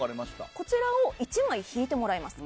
こちらを１枚引いてもらいます。